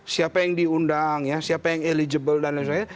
siapa yang diundang siapa yang eligible dan lain lain